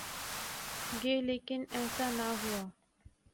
گے لیکن ایسا نہ ہوا۔